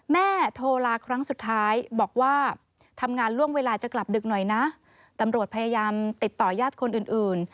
โทรลาครั้งสุดท้ายบอกว่าทำงานล่วงเวลาจะกลับดึกหน่อยนะตำรวจพยายามติดต่อญาติคนอื่น